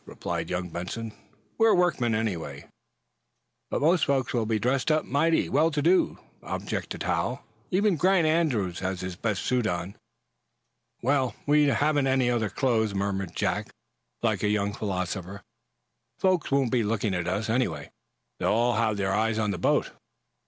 replied young Benson. "We're workmen, anyway." "But most folks will be dressed up mighty well to day," objected Hal. "Even Grant Andrews has his best suit on." "Well, we haven't any other clothes," murmured Jack, like a young philosopher. "Folks won't be looking at us, anyway. They'll all have their eyes on the boat."